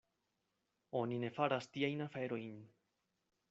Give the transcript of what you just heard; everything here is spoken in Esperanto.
Oni ne faras tiajn aferojn.